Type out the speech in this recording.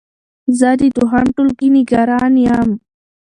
زه د دوهم ټولګی نګران يم